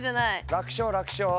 楽勝楽勝。